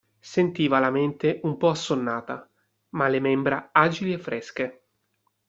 Sentiva la mente un po' assonnata, ma le membra agili e fresche.